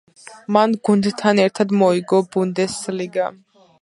მან გუნდთან ერთად მოიგო ბუნდესლიგა.